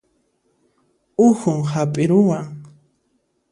Uhun hap'iruwan